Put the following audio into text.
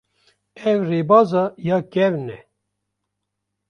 Ev rêbeza ya kevin e.